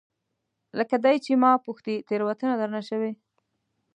لکه دی چې ما پوښتي، تیروتنه درنه شوې؟